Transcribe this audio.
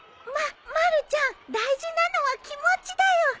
ままるちゃん大事なのは気持ちだよ。